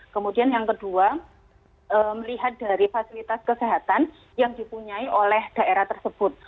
kemudian yang kedua melihat dari fasilitas kesehatan yang dipunyai oleh daerah tersebut